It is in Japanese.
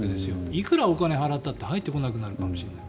いくらお金を払ったって入ってこなくなるかもしれない。